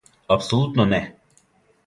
Апсолутно не.